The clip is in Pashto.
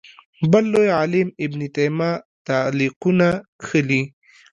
بل لوی عالم ابن تیمیه تعلیقونه کښلي